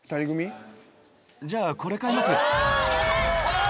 じゃあ、これ買います。